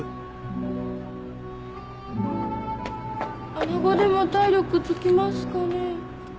アナゴでも体力つきますかね？